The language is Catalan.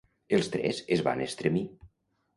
Els tres es van estremir.